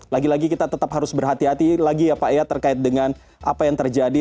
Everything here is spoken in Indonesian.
lagi lagi kita tetap harus berhati hati lagi ya pak ya terkait dengan apa yang terjadi